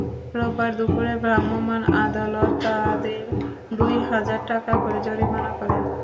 রোববার দুপুরে ভ্রাম্যমাণ আদালত তাঁদের দুই হাজার টাকা করে জরিমানা করেন।